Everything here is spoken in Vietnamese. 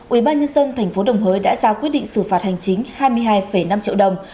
ubnd tp đồng hới đã ra quyết định xử phạt hành chính hai mươi hai năm triệu đồng